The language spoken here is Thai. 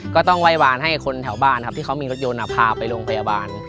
ก็ต้องไหว้วานให้คนแถวบ้านครับที่เขามีรถยนต์พาไปโรงพยาบาล